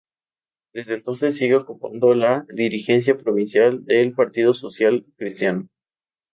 Desde entonces sigue ocupando la dirigencia provincial del Partido Social Cristiano.